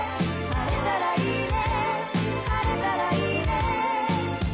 「晴れたらいいね」